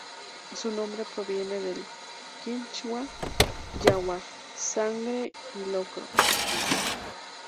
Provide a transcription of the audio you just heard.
Su nombre proviene del kichwa, "yawar"=sangre y "locro"=guiso.